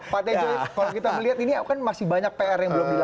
pak tejo kalau kita melihat ini kan masih banyak pr yang belum dilakukan